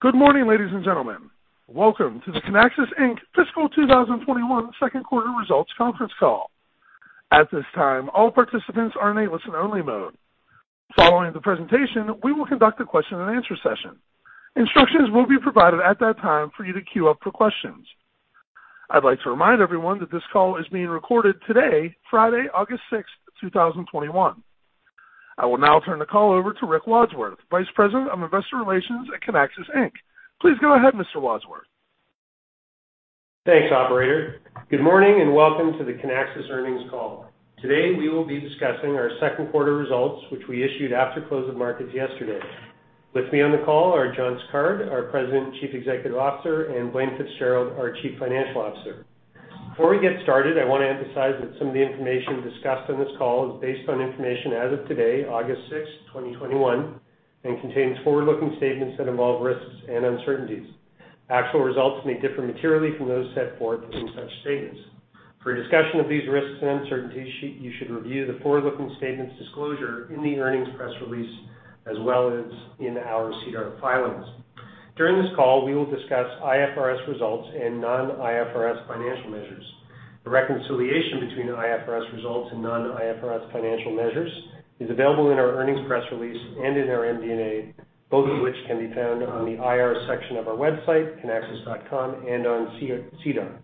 Good morning, ladies and gentlemen. Welcome to the Kinaxis Inc. Fiscal 2021 second quarter results conference call. I'd like to remind everyone that this call is being recorded today, Friday, August 6, 2021. I will now turn the call over to Rick Wadsworth, Vice President of Investor Relations at Kinaxis Inc. Please go ahead, Mr. Wadsworth. Thanks, operator. Good morning, welcome to the Kinaxis earnings call. Today we will be discussing our second quarter results, which we issued after close of markets yesterday. With me on the call are John Sicard, our President and Chief Executive Officer, and Blaine Fitzgerald, our Chief Financial Officer. Before we get started, I want to emphasize that some of the information discussed on this call is based on information as of today, August 6, 2021, and contains forward-looking statements that involve risks and uncertainties. Actual results may differ materially from those set forth in such statements. For a discussion of these risks and uncertainties, you should review the forward-looking statements disclosure in the earnings press release, as well as in our SEDAR filings. During this call, we will discuss IFRS results and non-IFRS financial measures. The reconciliation between IFRS results and non-IFRS financial measures is available in our earnings press release and in our MD&A, both of which can be found on the IR section of our website, kinaxis.com, and on SEDAR.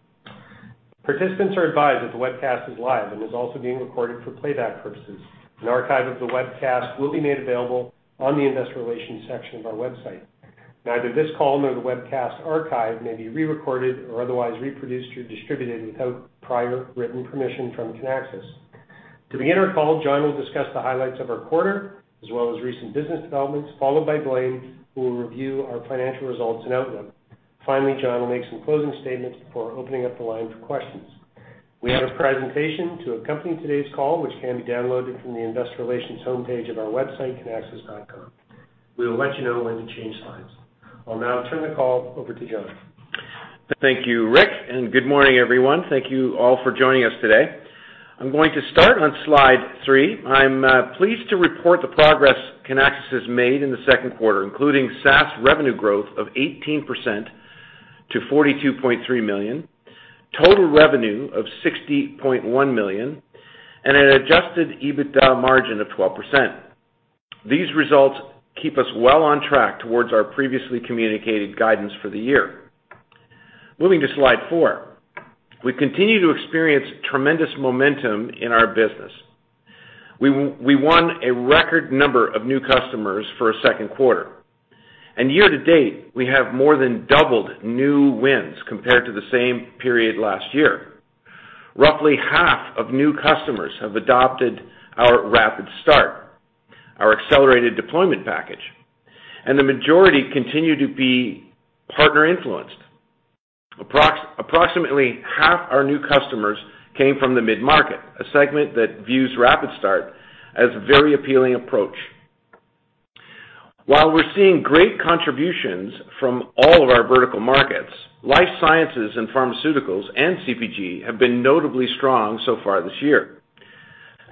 Participants are advised that the webcast is live and is also being recorded for playback purposes. An archive of the webcast will be made available on the investor relations section of our website. Neither this call nor the webcast archive may be re-recorded or otherwise reproduced or distributed without prior written permission from Kinaxis. To begin our call, John will discuss the highlights of our quarter, as well as recent business developments, followed by Blaine, who will review our financial results and outlook. Finally, John will make some closing statements before opening up the line for questions. We have a presentation to accompany today's call, which can be downloaded from the investor relations homepage of our website, kinaxis.com. We will let you know when to change slides. I will now turn the call over to John. Thank you, Rick, and good morning, everyone. Thank you all for joining us today. I'm going to start on slide three. I'm pleased to report the progress Kinaxis has made in the second quarter, including SaaS revenue growth of 18% to $42.3 million, total revenue of $60.1 million, and an Adjusted EBITDA margin of 12%. These results keep us well on track towards our previously communicated guidance for the year. Moving to slide four. We continue to experience tremendous momentum in our business. We won a record number of new customers for a second quarter. Year to date, we have more than doubled new wins compared to the same period last year. Roughly half of new customers have adopted our RapidStart, our accelerated deployment package, and the majority continue to be partner-influenced. Approximately half our new customers came from the mid-market, a segment that views RapidStart as a very appealing approach. While we're seeing great contributions from all of our vertical markets, life sciences and pharmaceuticals and CPG have been notably strong so far this year.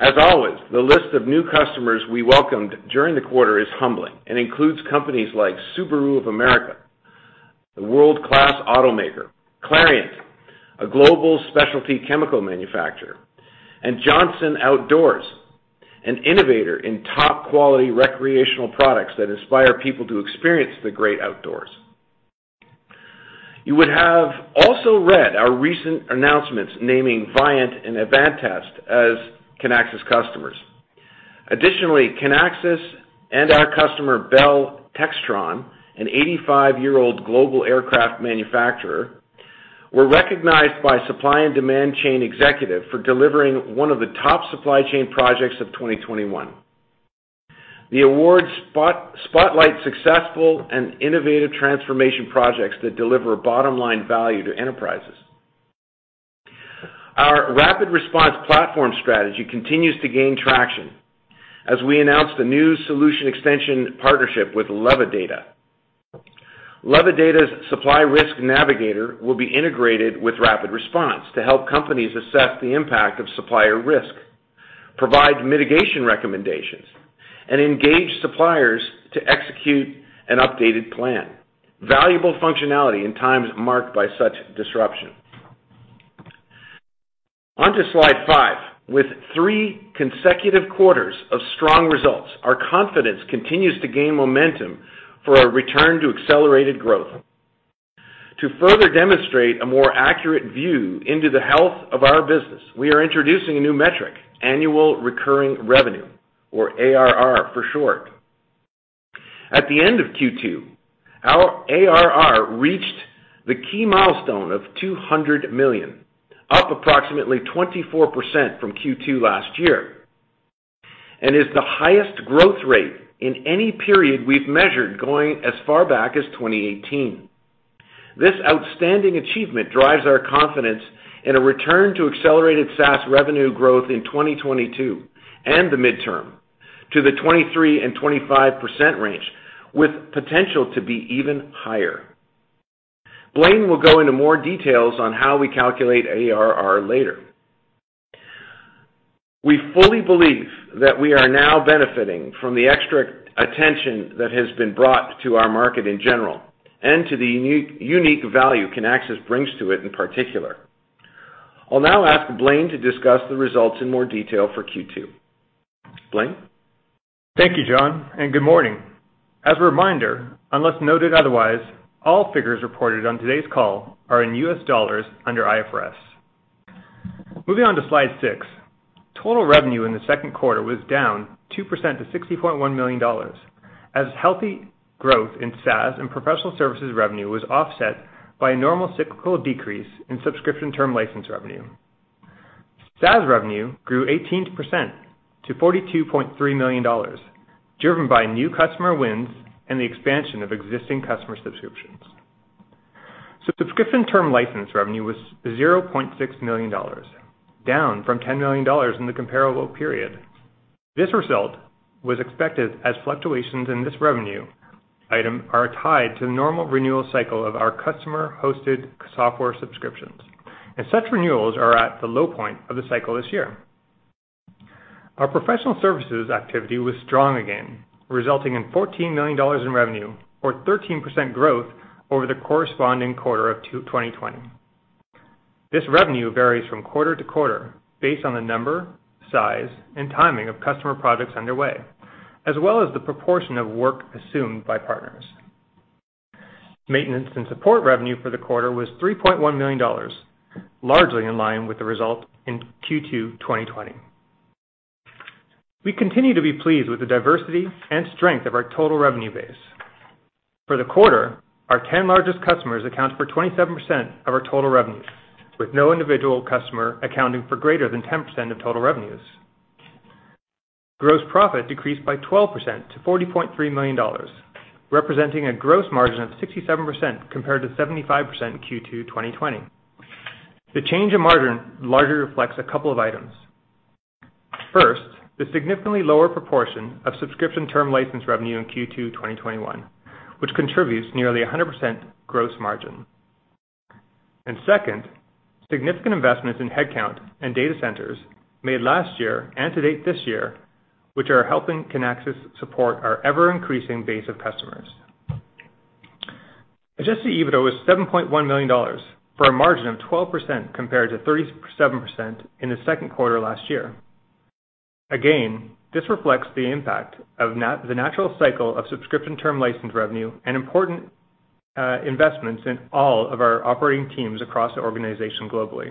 As always, the list of new customers we welcomed during the quarter is humbling and includes companies like Subaru of America, the world-class automaker, Clariant, a global specialty chemical manufacturer, and Johnson Outdoors, an innovator in top-quality recreational products that inspire people to experience the great outdoors. You would have also read our recent announcements naming Viant and Advantest as Kinaxis customers. Additionally, Kinaxis and our customer, Bell Textron, an 85-year-old global aircraft manufacturer, were recognized by Supply & Demand Chain Executive for delivering one of the top supply chain projects of 2021. The awards spotlight successful and innovative transformation projects that deliver bottom-line value to enterprises. Our RapidResponse platform strategy continues to gain traction as we announce the new solution extension partnership with LevaData. LevaData's Supply Risk Navigator will be integrated with RapidResponse to help companies assess the impact of supplier risk, provide mitigation recommendations, and engage suppliers to execute an updated plan. Valuable functionality in times marked by such disruption. On to slide five. With three consecutive quarters of strong results, our confidence continues to gain momentum for a return to accelerated growth. To further demonstrate a more accurate view into the health of our business, we are introducing a new metric, annual recurring revenue, or ARR for short. At the end of Q2, our ARR reached the key milestone of $200 million, up approximately 24% from Q2 last year, and is the highest growth rate in any period we've measured, going as far back as 2018. This outstanding achievement drives our confidence in a return to accelerated SaaS revenue growth in 2022 and the midterm to the 23%-25% range, with potential to be even higher. Blaine will go into more details on how we calculate ARR later. We fully believe that we are now benefiting from the extra attention that has been brought to our market in general and to the unique value Kinaxis brings to it in particular. I'll now ask Blaine to discuss the results in more detail for Q2. Blaine. Thank you, John, and good morning. As a reminder, unless noted otherwise, all figures reported on today's call are in U.S. dollars under IFRS. Moving on to slide six, total revenue in the second quarter was down 2% to $60.1 million, as healthy growth in SaaS and professional services revenue was offset by a normal cyclical decrease in subscription term license revenue. SaaS revenue grew 18% to $42.3 million, driven by new customer wins and the expansion of existing customer subscriptions. Subscription term license revenue was $0.6 million, down from $10 million in the comparable period. This result was expected as fluctuations in this revenue item are tied to the normal renewal cycle of our customer-hosted software subscriptions, and such renewals are at the low point of the cycle this year. Our professional services activity was strong again, resulting in $14 million in revenue or 13% growth over the corresponding quarter of 2020. This revenue varies from quarter to quarter based on the number, size, and timing of customer projects underway, as well as the proportion of work assumed by partners. Maintenance and support revenue for the quarter was $3.1 million, largely in line with the result in Q2 2020. We continue to be pleased with the diversity and strength of our total revenue base. For the quarter, our 10 largest customers account for 27% of our total revenues, with no individual customer accounting for greater than 10% of total revenues. Gross profit decreased by 12% to $40.3 million, representing a gross margin of 67% compared to 75% in Q2 2020. The change in margin largely reflects a couple of items. First, the significantly lower proportion of subscription term license revenue in Q2 2021, which contributes nearly 100% gross margin. Second, significant investments in headcount and data centers made last year and to date this year, which are helping Kinaxis support our ever-increasing base of customers. Adjusted EBITDA was $7.1 million for a margin of 12% compared to 37% in the second quarter last year. Again, this reflects the impact of the natural cycle of subscription term license revenue and important investments in all of our operating teams across the organization globally,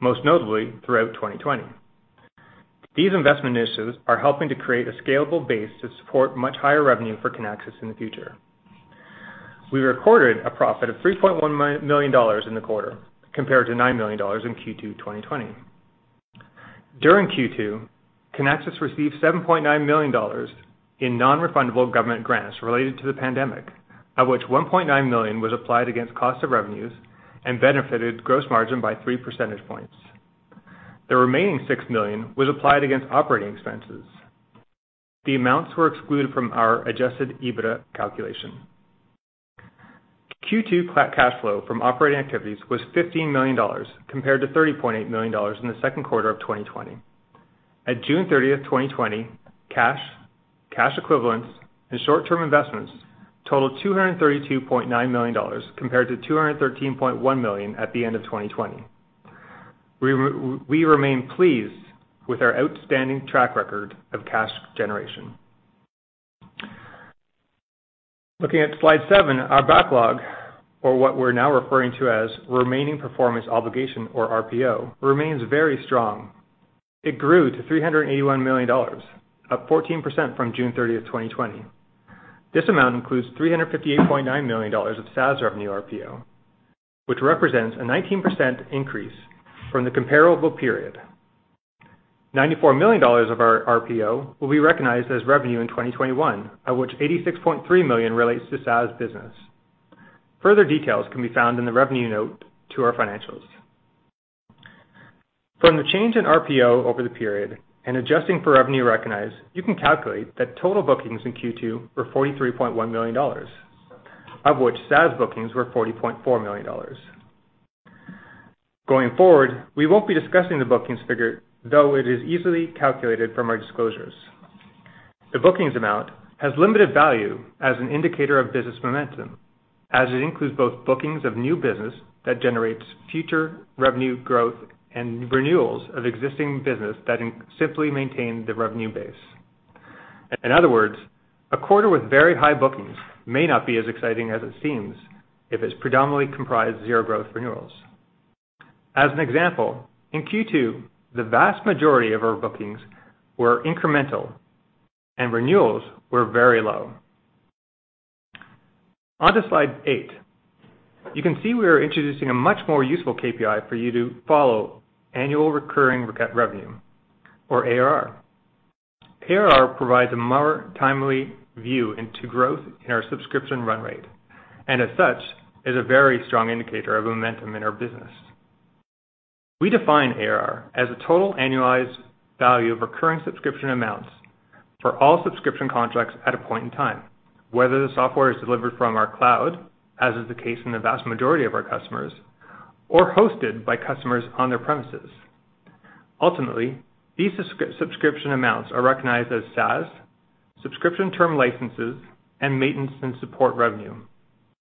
most notably throughout 2020. These investment initiatives are helping to create a scalable base to support much higher revenue for Kinaxis in the future. We recorded a profit of $3.1 million in the quarter, compared to $9 million in Q2 2020. During Q2, Kinaxis received $7.9 million in non-refundable government grants related to the pandemic, of which $1.9 million was applied against cost of revenues and benefited gross margin by three percentage points. The remaining $6 million was applied against operating expenses. The amounts were excluded from our Adjusted EBITDA calculation. Q2 cash flow from operating activities was $15 million, compared to $30.8 million in the second quarter of 2020. At June 30th, 2020, cash equivalents, and short-term investments totaled $232.9 million, compared to $213.1 million at the end of 2020. We remain pleased with our outstanding track record of cash generation. Looking at slide seven, our backlog or what we're now referring to as remaining performance obligation or RPO, remains very strong. It grew to $381 million, up 14% from June 30th, 2020. This amount includes $358.9 million of SaaS revenue RPO, which represents a 19% increase from the comparable period. $94 million of our RPO will be recognized as revenue in 2021, of which $86.3 million relates to SaaS business. Further details can be found in the revenue note to our financials. From the change in RPO over the period and adjusting for revenue recognized, you can calculate that total bookings in Q2 were $43.1 million, of which SaaS bookings were $40.4 million. We won't be discussing the bookings figure, though it is easily calculated from our disclosures. The bookings amount has limited value as an indicator of business momentum, as it includes both bookings of new business that generates future revenue growth and renewals of existing business that simply maintain the revenue base. In other words, a quarter with very high bookings may not be as exciting as it seems if it's predominantly comprised zero-growth renewals. As an example, in Q2, the vast majority of our bookings were incremental and renewals were very low. On to slide eight. You can see we are introducing a much more useful KPI for you to follow annual recurring revenue or ARR. ARR provides a more timely view into growth in our subscription run rate and as such, is a very strong indicator of momentum in our business. We define ARR as the total annualized value of recurring subscription amounts for all subscription contracts at a point in time, whether the software is delivered from our cloud, as is the case in the vast majority of our customers, or hosted by customers on their premises. Ultimately, these subscription amounts are recognized as SaaS, subscription term licenses, and maintenance and support revenue.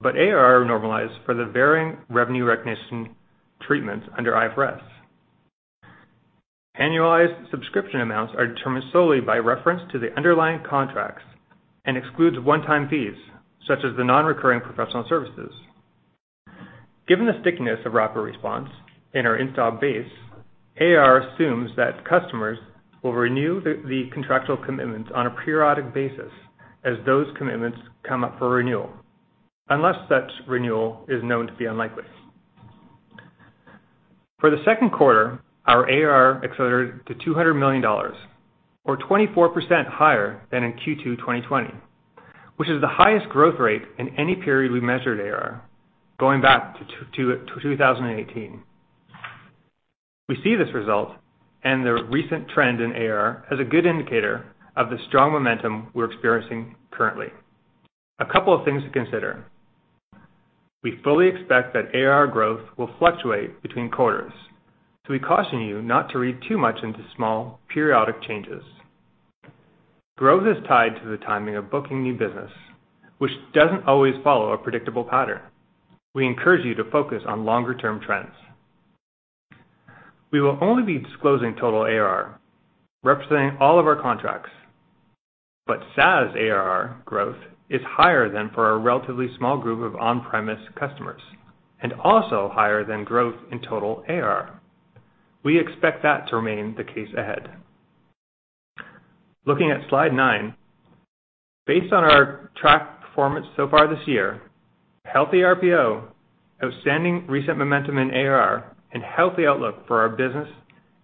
ARR normalized for the varying revenue recognition treatments under IFRS. Annualized subscription amounts are determined solely by reference to the underlying contracts and excludes one-time fees, such as the non-recurring professional services. Given the stickiness of RapidResponse in our installed base, ARR assumes that customers will renew the contractual commitments on a periodic basis as those commitments come up for renewal, unless such renewal is known to be unlikely. For the second quarter, our ARR accelerated to $200 million, or 24% higher than in Q2 2020, which is the highest growth rate in any period we measured ARR, going back to 2018. We see this result and the recent trend in ARR as a good indicator of the strong momentum we're experiencing currently. A couple of things to consider. We fully expect that ARR growth will fluctuate between quarters. We caution you not to read too much into small periodic changes. Growth is tied to the timing of booking new business, which doesn't always follow a predictable pattern. We encourage you to focus on longer-term trends. We will only be disclosing total ARR, representing all of our contracts. SaaS ARR growth is higher than for our relatively small group of on-premise customers, and also higher than growth in total ARR. We expect that to remain the case ahead. Looking at slide nine. Based on our track performance so far this year, healthy RPO, outstanding recent momentum in ARR, and healthy outlook for our business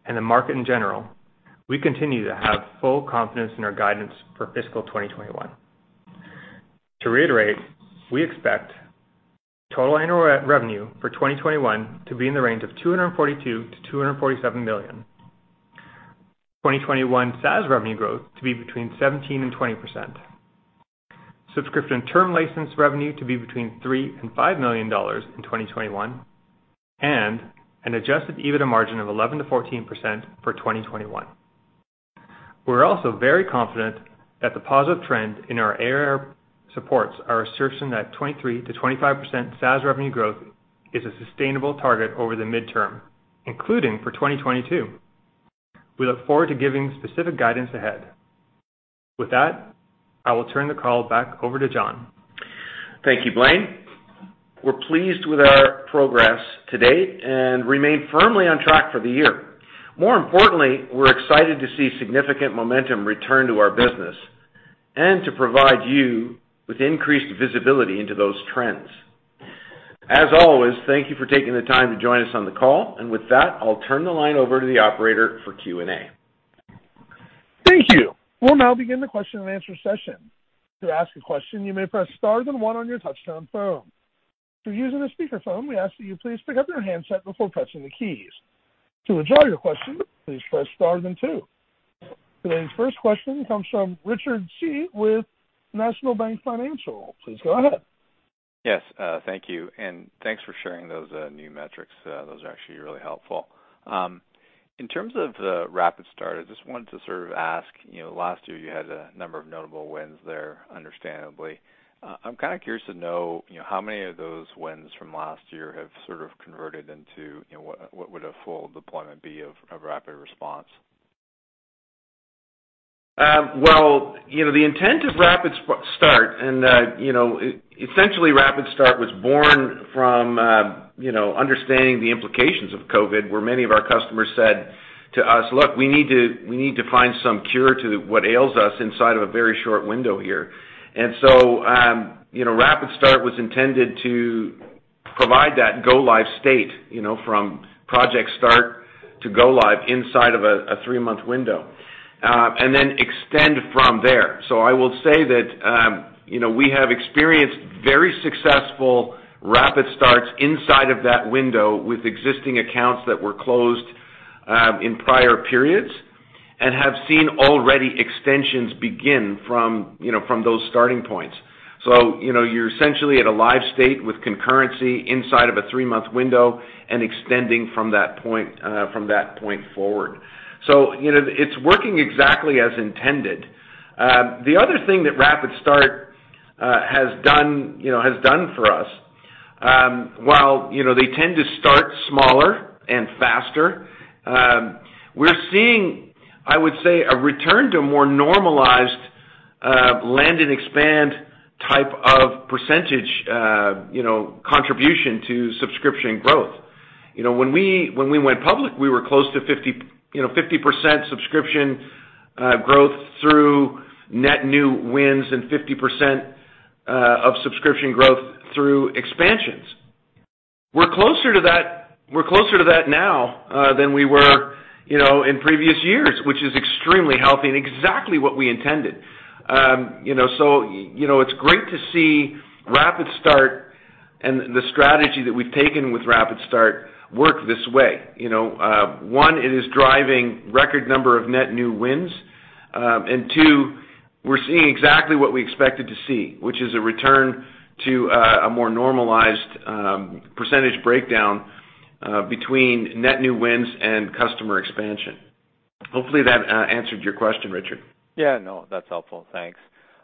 and the market in general, we continue to have full confidence in our guidance for fiscal 2021. To reiterate, we expect total annual revenue for 2021 to be in the range of $242 million-$247 million. 2021 SaaS revenue growth to be between 17%-20%. Subscription term license revenue to be between $3 million-$5 million in 2021, and an Adjusted EBITDA margin of 11%-14% for 2021. We are also very confident that the positive trend in our ARR supports our assertion that 23%-25% SaaS revenue growth is a sustainable target over the midterm, including for 2022. We look forward to giving specific guidance ahead. With that, I will turn the call back over to John. Thank you, Blaine. We're pleased with our progress to date and remain firmly on track for the year. More importantly, we're excited to see significant momentum return to our business, and to provide you with increased visibility into those trends. As always, thank you for taking the time to join us on the call. With that, I'll turn the line over to the operator for Q&A. Thank you. We'll now begin the question and answer session. To ask a question, you may press star then one on your touchtone phone. If you're using a speakerphone, we ask that you please pick up your handset before pressing the keys. To withdraw your question, please press star then two. Today's first question comes from Richard Tse with National Bank Financial. Please go ahead. Yes, thank you. Thanks for sharing those new metrics. Those are actually really helpful. In terms of the RapidStart, I just wanted to sort of ask, last year you had a number of notable wins there understandably. I'm kind of curious to know how many of those wins from last year have sort of converted into what would a full deployment be of RapidResponse? The intent of RapidStart, and essentially RapidStart was born from understanding the implications of COVID, where many of our customers said to us, "Look, we need to find some cure to what ails us inside of a very short window here." RapidStart was intended to provide that go live state, from project start to go live inside of a three-month window, and then extend from there. I will say that we have experienced very successful RapidStarts inside of that window with existing accounts that were closed in prior periods, and have seen already extensions begin from those starting points. You're essentially at a live state with concurrency inside of a three-month window and extending from that point forward. It's working exactly as intended. The other thing that RapidStart has done for us, while they tend to start smaller and faster, we're seeing, I would say, a return to more normalized land and expand type of percentage contribution to subscription growth. When we went public, we were close to 50% subscription growth through net new wins and 50% of subscription growth through expansions. We're closer to that now than we were in previous years, which is extremely healthy and exactly what we intended. It's great to see RapidStart and the strategy that we've taken with RapidStart work this way. One, it is driving record number of net new wins. Two, we're seeing exactly what we expected to see, which is a return to a more normalized percentage breakdown between net new wins and customer expansion. Hopefully that answered your question, Richard. Yeah, no, that's helpful. Thanks.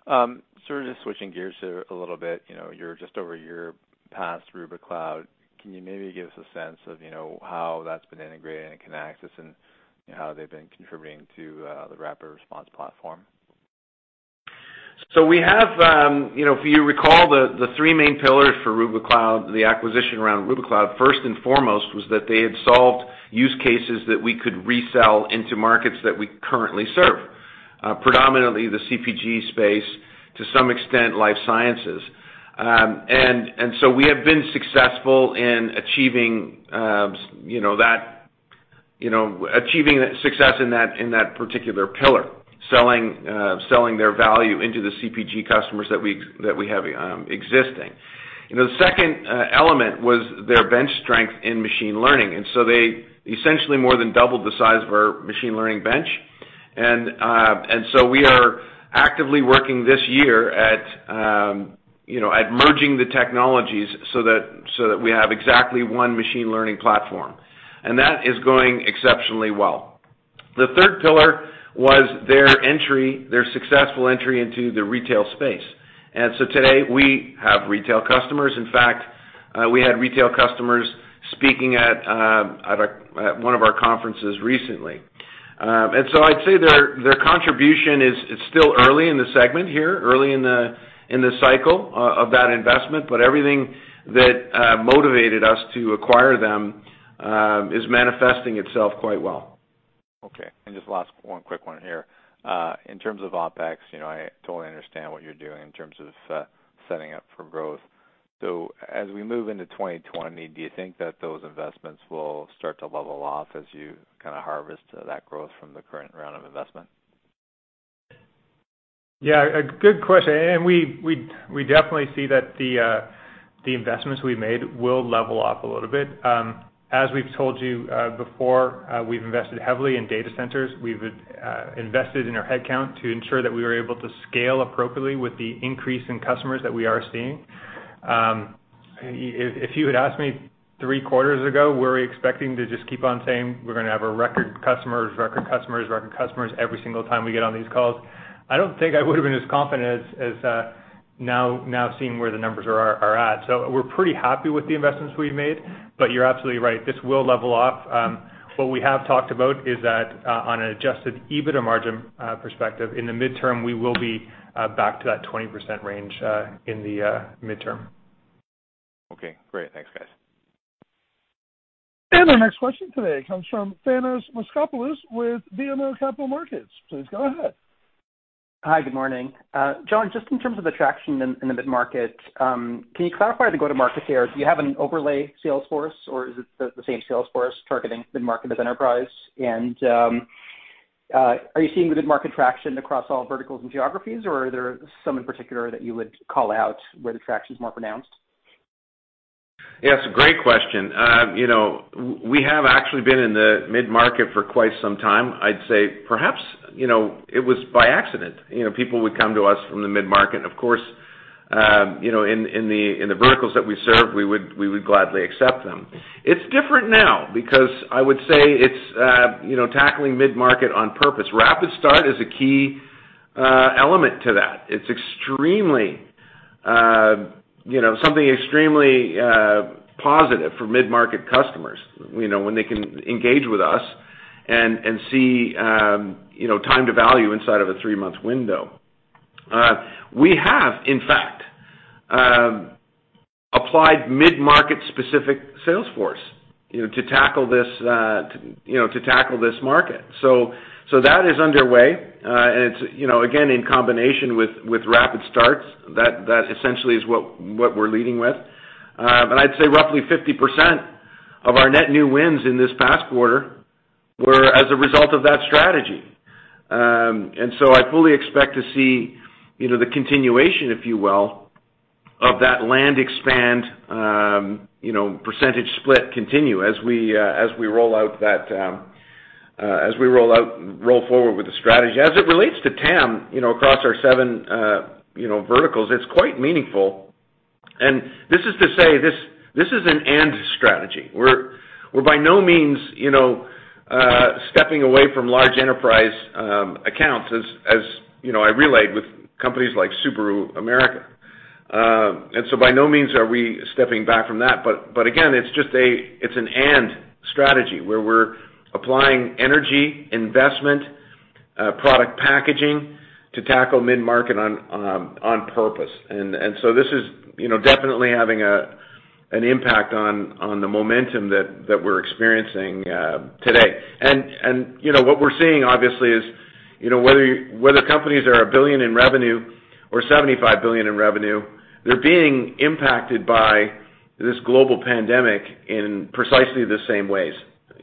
Sort of just switching gears here a little bit. You're just over a year past Rubikloud. Can you maybe give us a sense of how that's been integrated into Kinaxis and how they've been contributing to the RapidResponse platform? If you recall, the three main pillars for Rubikloud, the acquisition around Rubikloud, first and foremost, was that they had solved use cases that we could resell into markets that we currently serve. Predominantly the CPG space, to some extent, life sciences. We have been successful in achieving success in that particular pillar, selling their value into the CPG customers that we have existing. The second element was their bench strength in machine learning. They essentially more than doubled the size of our machine learning bench. We are actively working this year at merging the technologies so that we have exactly one machine learning platform. That is going exceptionally well. The third pillar was their successful entry into the retail space. Today, we have retail customers. In fact, we had retail customers speaking at one of our conferences recently. I'd say their contribution is still early in the segment here, early in the cycle of that investment. Everything that motivated us to acquire them is manifesting itself quite well. Okay. Just last one quick one here. In terms of OpEx, I totally understand what you are doing in terms of setting up for growth. As we move into 2020, do you think that those investments will start to level off as you kind of harvest that growth from the current round of investment? Yeah, a good question. We definitely see that the investments we made will level off a little bit. As we've told you before, we've invested heavily in data centers. We've invested in our headcount to ensure that we were able to scale appropriately with the increase in customers that we are seeing. If you had asked me three quarters ago, were we expecting to just keep on saying we're gonna have a record customers every single time we get on these calls, I don't think I would've been as confident as now seeing where the numbers are at. We're pretty happy with the investments we've made. You're absolutely right, this will level off. What we have talked about is that, on an Adjusted EBITDA margin perspective, in the midterm, we will be back to that 20% range in the midterm. Okay, great. Thanks, guys. Our next question today comes from Thanos Moschopoulos with BMO Capital Markets. Please go ahead. Hi, good morning. John, just in terms of the traction in the mid-market, can you clarify the go-to-market here? Do you have an overlay sales force, or is it the same sales force targeting mid-market as enterprise? Are you seeing the mid-market traction across all verticals and geographies, or are there some in particular that you would call out where the traction's more pronounced? Yeah, it's a great question. We have actually been in the mid-market for quite some time. I'd say perhaps it was by accident. People would come to us from the mid-market, and of course, in the verticals that we serve, we would gladly accept them. It's different now because I would say it's tackling mid-market on purpose. RapidStart is a key element to that. It's something extremely positive for mid-market customers, when they can engage with us and see time to value inside of a three-month window. We have, in fact, applied mid-market specific Salesforce to tackle this market. That is underway, and it's, again, in combination with RapidStarts. That essentially is what we're leading with. I'd say roughly 50% of our net new wins in this past quarter were as a result of that strategy. I fully expect to see the continuation, if you will, of that land expand percentage split continue as we roll forward with the strategy. As it relates to TAM, across our seven verticals, it's quite meaningful. This is to say, this is an and strategy. We're by no means stepping away from large enterprise accounts as I relayed with companies like Subaru of America. By no means are we stepping back from that. Again, it's an and strategy where we're applying energy, investment, product packaging to tackle mid-market on purpose. This is definitely having an impact on the momentum that we're experiencing today. What we're seeing, obviously, is whether companies are a billion in revenue or $75 billion in revenue, they're being impacted by this global pandemic in precisely the same ways.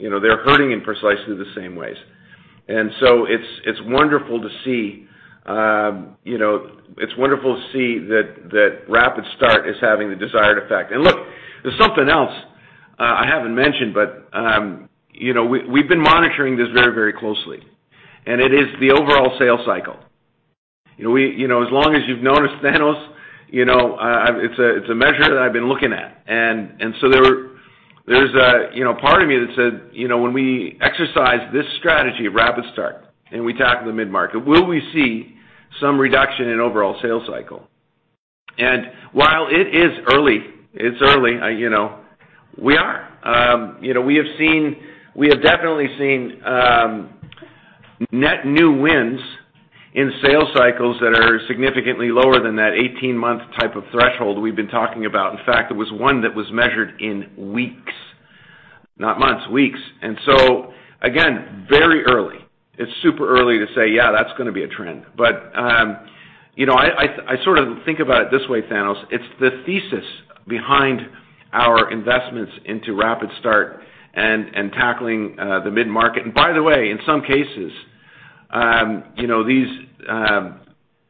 They're hurting in precisely the same ways. It's wonderful to see that RapidStart is having the desired effect. Look, there's something else I haven't mentioned, but we've been monitoring this very closely. It is the overall sales cycle. As long as you've known us, Thanos, it's a measure that I've been looking at. There's a part of me that said, when we exercise this strategy of RapidStart and we tackle the mid-market, will we see some reduction in overall sales cycle? While it is early, we are. We have definitely seen net new wins in sales cycles that are significantly lower than that 18-month type of threshold we've been talking about. In fact, there was one that was measured in weeks. Not months, weeks. Again, very early. It's super early to say, "Yeah, that's going to be a trend." I sort of think about it this way, Thanos. It's the thesis behind our investments into RapidStart and tackling the mid-market. By the way, in some cases,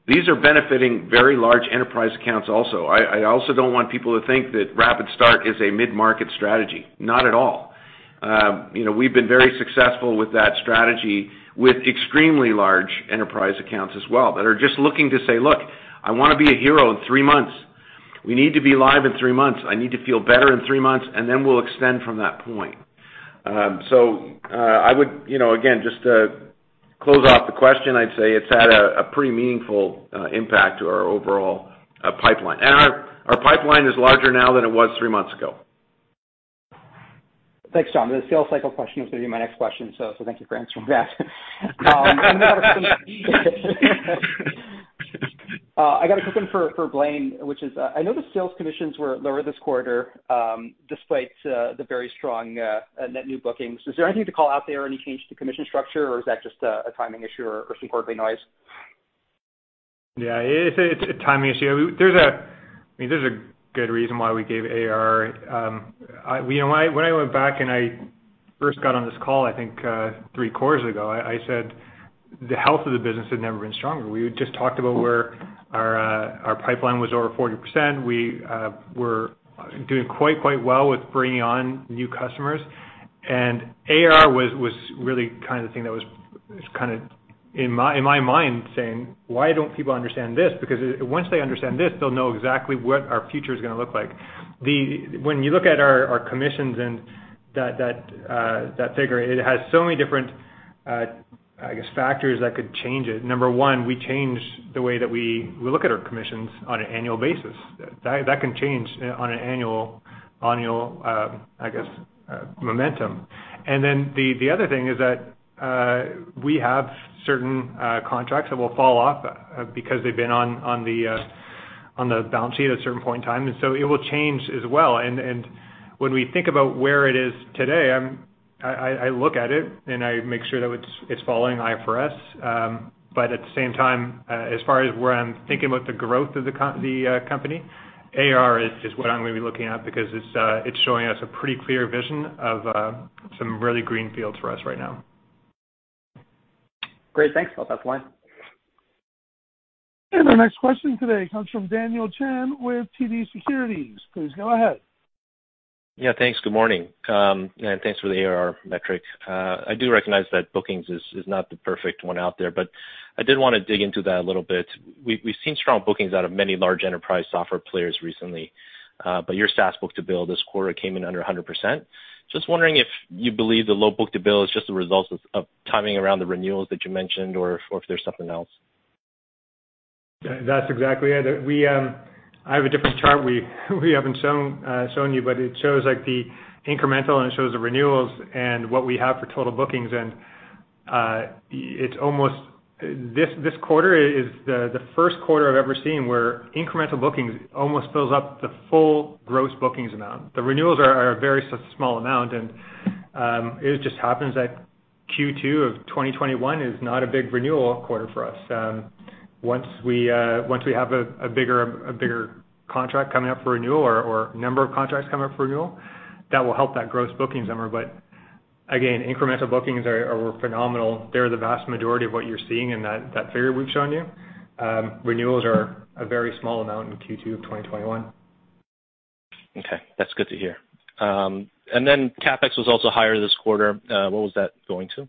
these are benefiting very large enterprise accounts also. I also don't want people to think that RapidStart is a mid-market strategy. Not at all. We've been very successful with that strategy with extremely large enterprise accounts as well, that are just looking to say, "Look, I want to be a hero in three months. We need to be live in three months. I need to feel better in three months, and then we'll extend from that point." I would, again, just to close off the question, I'd say it's had a pretty meaningful impact to our overall pipeline. Our pipeline is larger now than it was three months ago. Thanks, John. The sales cycle question was going to be my next question. Thank you for answering that. I got a quick one for Blaine, which is, I know the sales commissions were lower this quarter, despite the very strong net new bookings. Is there anything to call out there, any change to commission structure, or is that just a timing issue or some quarterly noise? Yeah, it's a timing issue. There's a good reason why we gave ARR. When I went back and I first got on this call, I think, three quarters ago, I said the health of the business had never been stronger. We just talked about where our pipeline was over 40%. We were doing quite well with bringing on new customers. ARR was really the thing that was in my mind saying, "Why don't people understand this?" Because once they understand this, they'll know exactly what our future's going to look like. When you look at our commissions and that figure, it has so many different, I guess, factors that could change it. Number one, we change the way that we look at our commissions on an annual basis. That can change on an annual, I guess, momentum. The other thing is that we have certain contracts that will fall off because they've been on the balance sheet at a certain point in time. It will change as well. When we think about where it is today, I look at it and I make sure that it's following IFRS. As far as where I'm thinking about the growth of the company, ARR is what I'm going to be looking at because it's showing us a pretty clear vision of some really green fields for us right now. Great. Thanks. I'll pass the line. Our next question today comes from Daniel Chan with TD Securities. Please go ahead. Yeah, thanks. Good morning. Thanks for the ARR metric. I do recognize that bookings is not the perfect one out there, but I did want to dig into that a little bit. We've seen strong bookings out of many large enterprise software players recently. Your SaaS book-to-bill this quarter came in under 100%. Just wondering if you believe the low book-to-bill is just a result of timing around the renewals that you mentioned, or if there's something else. That's exactly it. I have a different chart we haven't shown you, but it shows the incremental and it shows the renewals and what we have for total bookings. This quarter is the first quarter I've ever seen where incremental bookings almost fills up the full gross bookings amount. The renewals are a very small amount, and it just happens that Q2 of 2021 is not a big renewal quarter for us. Once we have a bigger contract coming up for renewal or a number of contracts coming up for renewal, that will help that gross bookings number. Again, incremental bookings are phenomenal. They're the vast majority of what you're seeing in that figure we've shown you. Renewals are a very small amount in Q2 of 2021. Okay, that's good to hear. CapEx was also higher this quarter. What was that going to?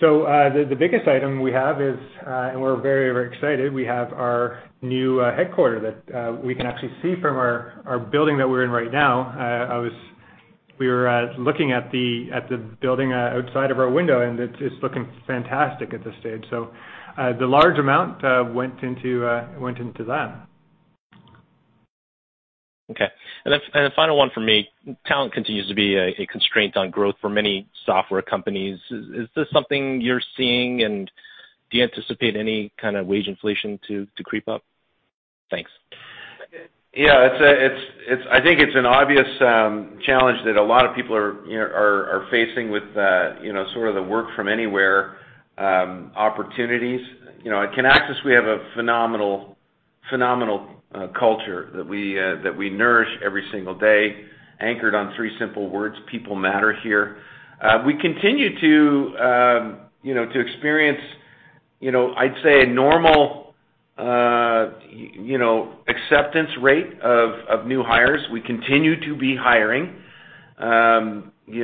The biggest item we have is, and we're very excited, we have our new headquarters that we can actually see from our building that we're in right now. We were looking at the building outside of our window, and it's looking fantastic at this stage. The large amount went into that. Okay. A final one from me. Talent continues to be a constraint on growth for many software companies. Is this something you are seeing, and do you anticipate any kind of wage inflation to creep up? Thanks. Yeah. I think it's an obvious challenge that a lot of people are facing with the work from anywhere opportunities. At Kinaxis, we have a phenomenal culture that we nourish every single day, anchored on three simple words: people matter here. We continue to experience, I'd say, a normal acceptance rate of new hires. We continue to be hiring. We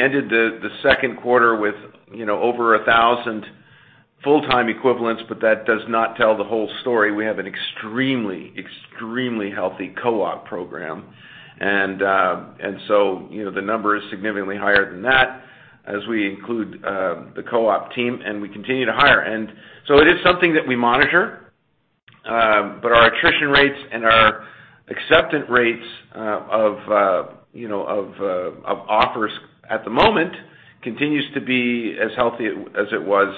ended the second quarter with over 1,000 full-time equivalents, but that does not tell the whole story. We have an extremely healthy co-op program. The number is significantly higher than that as we include the co-op team. We continue to hire. It is something that we monitor. Our attrition rates and our acceptance rates of offers at the moment continues to be as healthy as it was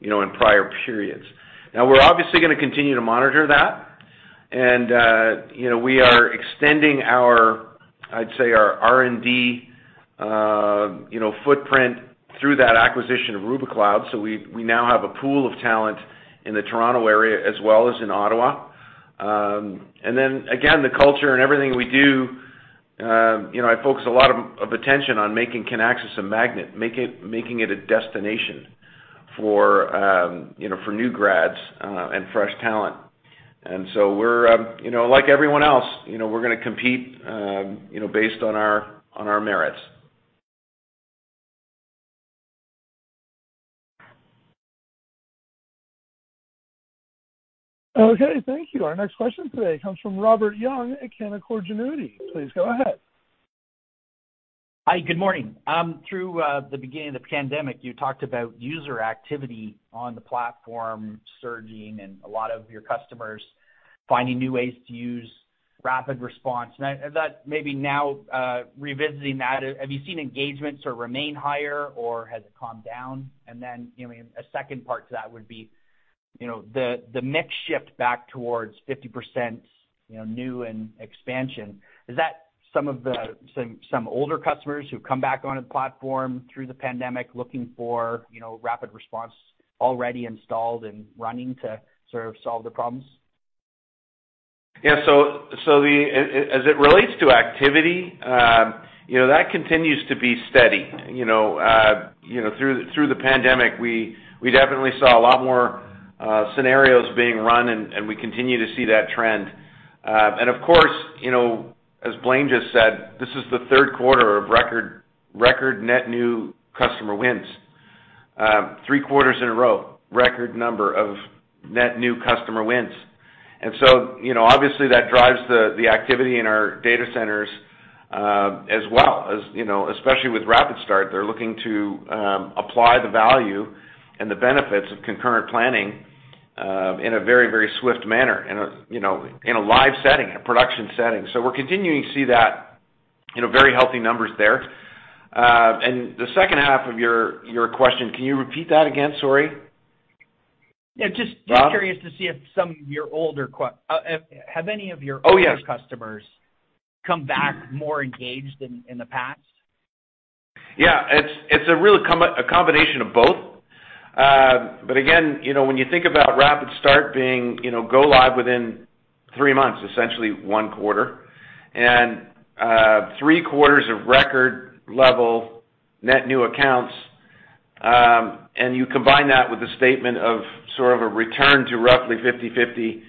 in prior periods. Now, we're obviously going to continue to monitor that. We are extending our, I'd say, our R&D footprint through that acquisition of Rubikloud. We now have a pool of talent in the Toronto area as well as in Ottawa. The culture and everything we do, I focus a lot of attention on making Kinaxis a magnet, making it a destination for new grads and fresh talent. Like everyone else, we're going to compete based on our merits. Okay, thank you. Our next question today comes from Robert Young at Canaccord Genuity. Please go ahead. Hi. Good morning. Through the beginning of the pandemic, you talked about user activity on the platform surging and a lot of your customers finding new ways to use RapidResponse. That maybe now revisiting that, have you seen engagements sort of remain higher, or has it calmed down? A second part to that would be, the mix shift back towards 50% new and expansion. Is that some older customers who've come back onto the platform through the pandemic looking for RapidResponse already installed and running to sort of solve their problems? Yeah. As it relates to activity, that continues to be steady. Through the pandemic, we definitely saw a lot more scenarios being run, and we continue to see that trend. Of course, as Blaine just said, this is the third quarter of record net new customer wins. Three quarters in a row, record number of net new customer wins. Obviously, that drives the activity in our data centers as well, especially with RapidStart. They're looking to apply the value and the benefits of concurrent planning in a very swift manner, in a live setting, a production setting. We're continuing to see that very healthy numbers there. The second half of your question, can you repeat that again? Sorry. Yeah, just- Rob? Have any of your- Oh, yes. ...older customers come back more engaged than in the past? Yeah. It's a combination of both. Again, when you think about RapidStart being go live within three months, essentially one quarter, and three quarters of record level net new accounts, and you combine that with the statement of sort of a return to roughly 50/50.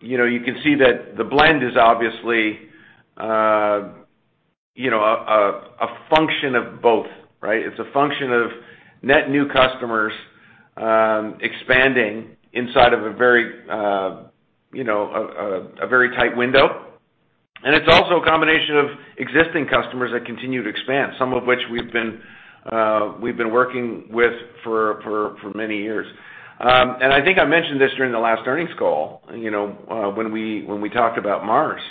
You can see that the blend is obviously a function of both, right? It's a function of net new customers expanding inside of a very tight window. It's also a combination of existing customers that continue to expand, some of which we've been working with for many years. I think I mentioned this during the last earnings call, when we talked about Mars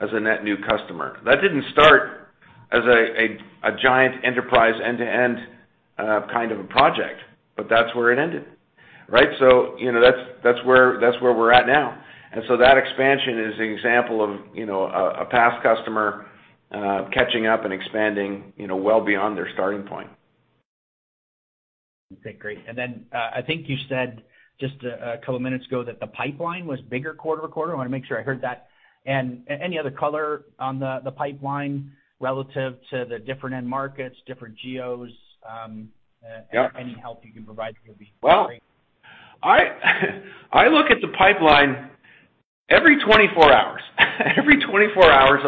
as a net new customer. That didn't start as a giant enterprise end-to-end kind of a project, but that's where it ended, right? That's where we're at now. That expansion is an example of a past customer catching up and expanding well beyond their starting point. Okay, great. I think you said just a couple of minutes ago that the pipeline was bigger quarter-to-quarter. I want to make sure I heard that. Any other color on the pipeline relative to the different end markets, different geos? Yeah. Any help you can provide would be great. Well, I look at the pipeline every 24 hours. Every 24 hours,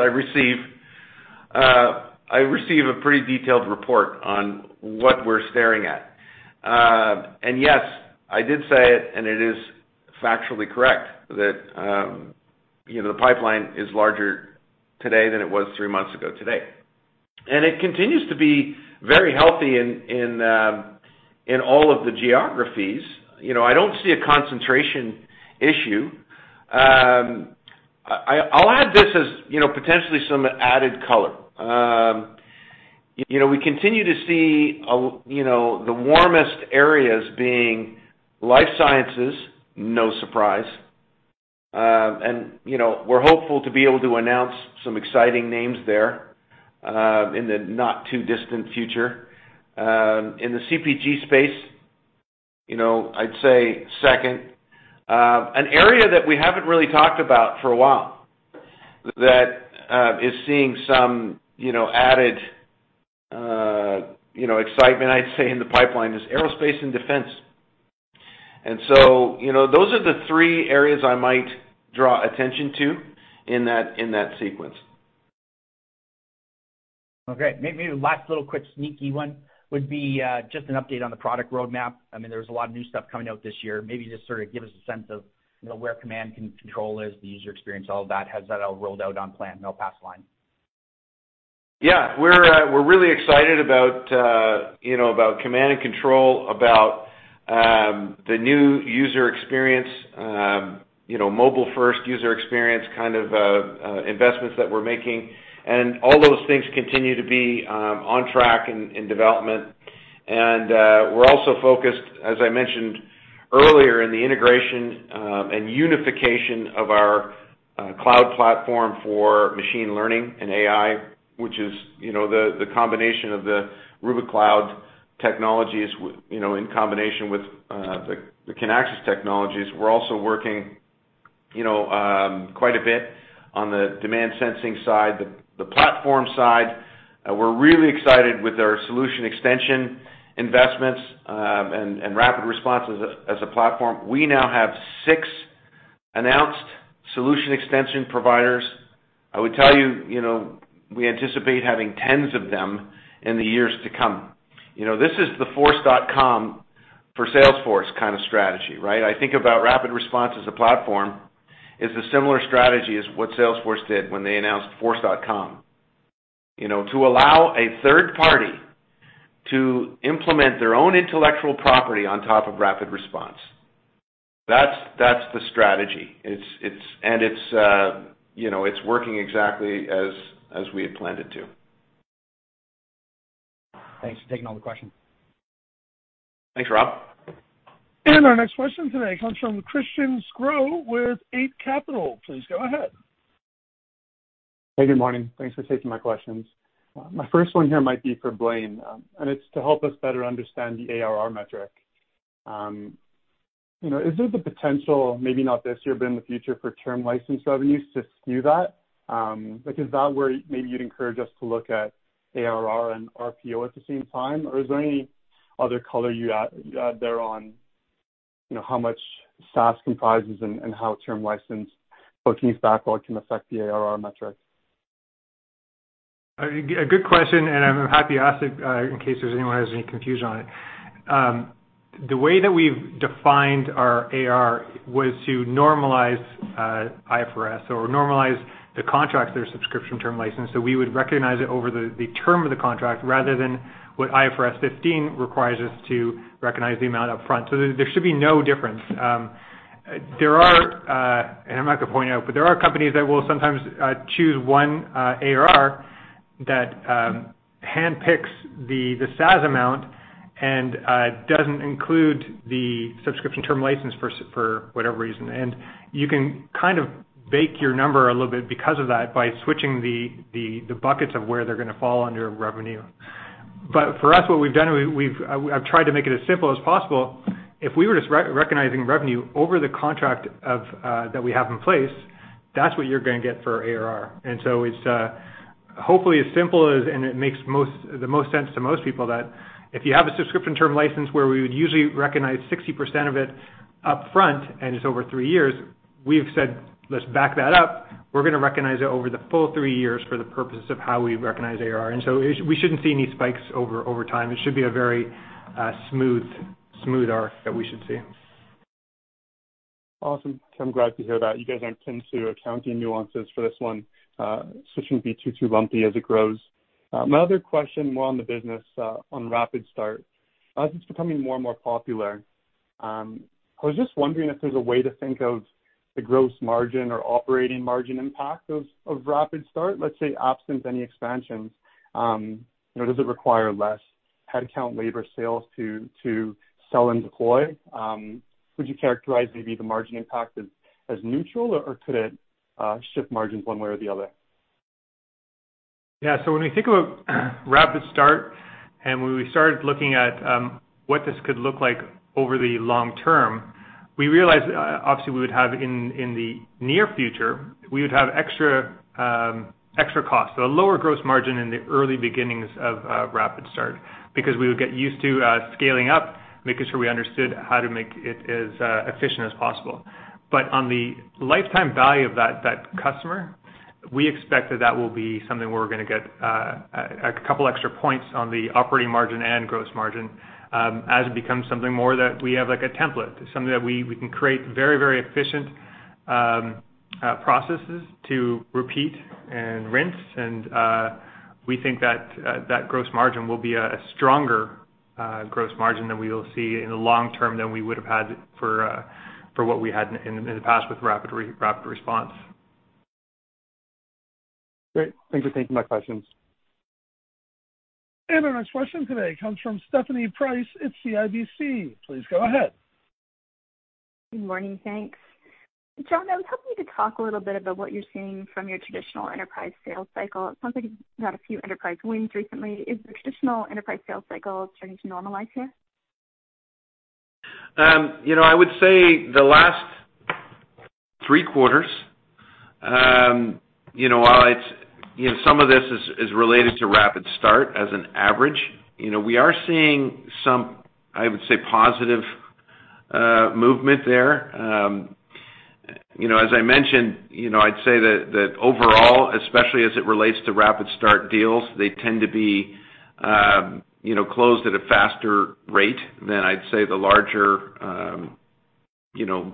I receive a pretty detailed report on what we're staring at. Yes, I did say it, and it is factually correct that the pipeline is larger today than it was three months ago today. It continues to be very healthy in all of the geographies. I don't see a concentration issue. I'll add this as potentially some added color. We continue to see the warmest areas being life sciences, no surprise. We're hopeful to be able to announce some exciting names there in the not-too-distant future. In the CPG space, I'd say second. An area that we haven't really talked about for a while that is seeing some added excitement, I'd say, in the pipeline is aerospace and defense. Those are the three areas I might draw attention to in that sequence. Okay. Maybe last little quick sneaky one would be just an update on the product roadmap. There's a lot of new stuff coming out this year. Maybe just sort of give us a sense of where Command & Control is, the user experience, all of that. Has that all rolled out on plan, will pass line? Yeah. We're really excited about Command & Control Center, about the new user experience, mobile first user experience kind of investments that we're making. All those things continue to be on track in development. We're also focused, as I mentioned earlier, in the integration and unification of our cloud platform for machine learning and AI, which is the combination of the Rubikloud technologies in combination with the Kinaxis technologies. We're also working quite a bit on the demand sensing side, the platform side. We're really excited with our solution extension investments, and RapidResponse as a platform. We now have six announced solution extension providers. I would tell you, we anticipate having tens of them in the years to come. This is the Force.com for Salesforce kind of strategy, right? I think about RapidResponse as a platform is a similar strategy as what Salesforce did when they announced Force.com. To allow a third party to implement their own intellectual property on top of RapidResponse. That's the strategy. It's working exactly as we had planned it to. Thanks for taking all the questions. Thanks, Rob. Our next question today comes from Christian Sgro with Eight Capital. Please go ahead. Hey, good morning. Thanks for taking my questions. My first one here might be for Blaine, and it is to help us better understand the ARR metric. Is there the potential, maybe not this year, but in the future, for term license revenues to skew that? Like, is that where maybe you would encourage us to look at ARR and RPO at the same time, or is there any other color you add there on how much SaaS comprises and how term license bookings backlog can affect the ARR metric? A good question, and I'm happy to ask it, in case there's anyone has any confusion on it. The way that we've defined our ARR was to normalize IFRS or normalize the contracts that are subscription term license. We would recognize it over the term of the contract rather than what IFRS 15 requires us to recognize the amount up front. There should be no difference. I'm not going to point out, but there are companies that will sometimes choose one ARR that handpicks the SaaS amount and doesn't include the subscription term license for whatever reason. You can kind of bake your number a little bit because of that by switching the buckets of where they're going to fall under revenue. For us, what we've done, I've tried to make it as simple as possible. If we were just recognizing revenue over the contract that we have in place, that's what you're going to get for ARR. It's hopefully as simple as, and it makes the most sense to most people that if you have a subscription term license where we would usually recognize 60% of it upfront, and it's over three years, we've said, "Let's back that up. We're going to recognize it over the full three years for the purpose of how we recognize ARR." We shouldn't see any spikes over time. It should be a very smooth arc that we should see. Awesome. I'm glad to hear that you guys are akin to accounting nuances for this one, so it shouldn't be too lumpy as it grows. My other question, more on the business, on RapidStart. As it's becoming more and more popular, I was just wondering if there's a way to think of the gross margin or operating margin impact of RapidStart, let's say absence any expansions. Does it require less head count, labor sales to sell and deploy? Would you characterize maybe the margin impact as neutral, or could it shift margins one way or the other? Yeah. When we think about RapidStart, and when we started looking at what this could look like over the long term, we realized, obviously, in the near future, we would have extra cost, so a lower gross margin in the early beginnings of RapidStart because we would get used to scaling up, making sure we understood how to make it as efficient as possible. On the lifetime value of that customer, we expect that that will be something where we're going to get a couple extra points on the operating margin and gross margin, as it becomes something more that we have like a template, something that we can create very efficient processes to repeat and rinse. We think that gross margin will be a stronger gross margin than we will see in the long term than we would have had for what we had in the past with RapidResponse. Great. Thank you. Thank you for taking my questions. Our next question today comes from Stephanie Price at CIBC. Please go ahead. Good morning. Thanks. John, I was hoping you could talk a little bit about what you're seeing from your traditional enterprise sales cycle. It sounds like you've had a few enterprise wins recently. Is the traditional enterprise sales cycle starting to normalize here? I would say the last three quarters, while some of this is related to RapidStart as an average, we are seeing some, I would say, positive movement there. As I mentioned, I'd say that overall, especially as it relates to RapidStart deals, they tend to be closed at a faster rate than, I'd say, the larger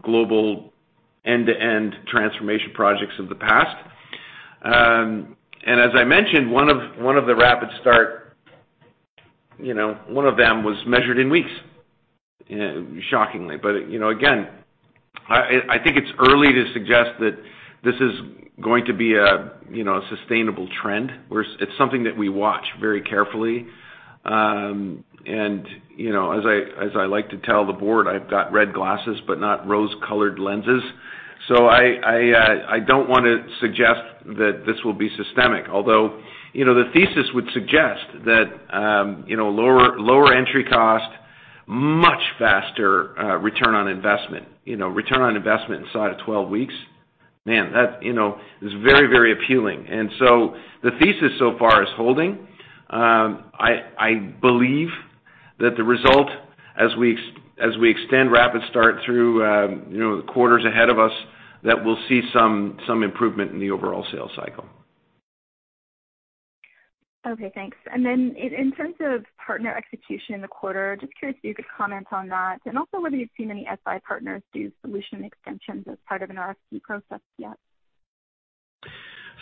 global end-to-end transformation projects of the past. As I mentioned, one of the RapidStart was measured in weeks, shockingly. Again, I think it's early to suggest that this is going to be a sustainable trend. It's something that we watch very carefully. As I like to tell the board, I've got red glasses, but not rose-colored lenses. So I don't want to suggest that this will be systemic. The thesis would suggest that lower entry cost, much faster return on investment. ROI inside of 12 weeks, man, that is very appealing. The thesis so far is holding. I believe that the result, as we extend RapidStart through the quarters ahead of us, that we'll see some improvement in the overall sales cycle. Okay, thanks. In terms of partner execution in the quarter, just curious if you could comment on that and also whether you've seen any SI partners do solution extensions as part of an RFP process yet.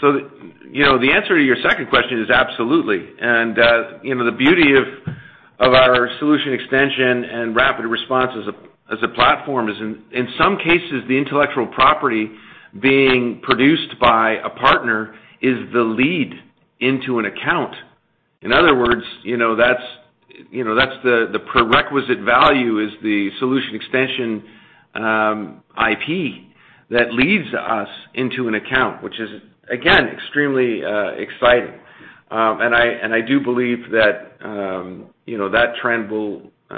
The answer to your second question is absolutely. The beauty of our solution extension and RapidResponse as a platform is, in some cases, the intellectual property being produced by a partner is the lead into an account. In other words, the prerequisite value is the solution extension IP that leads us into an account, which is, again, extremely exciting. I do believe that trend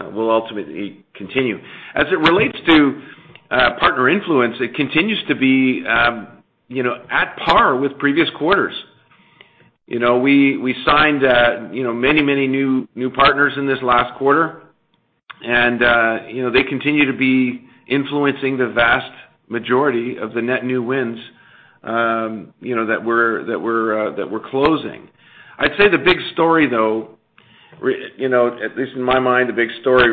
will ultimately continue. As it relates to partner influence, it continues to be at par with previous quarters. We signed many new partners in this last quarter, and they continue to be influencing the vast majority of the net new wins that we're closing. I'd say the big story, though, at least in my mind, the big story